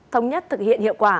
thống nhất thực hiện hiệu quả